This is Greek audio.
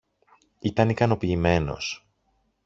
ήταν ικανοποιημένος